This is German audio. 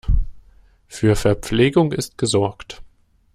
Für Verpflegung ist gesorgt.